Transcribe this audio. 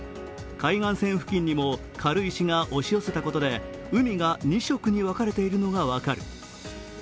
海岸線付近にも軽石が押し寄せたことで海が２色に分かれているのが分かる。